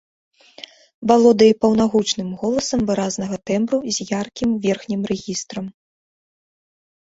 Валодае паўнагучным голасам выразнага тэмбру з яркім верхнім рэгістрам.